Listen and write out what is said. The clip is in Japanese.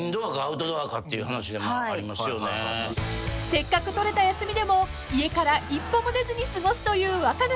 ［せっかく取れた休みでも家から一歩も出ずに過ごすという若菜さん］